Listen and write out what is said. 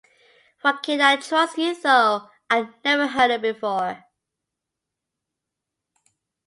Why can't I trust you, though, I never heard it before.